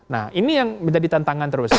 nah ini yang menjadi tantangan terus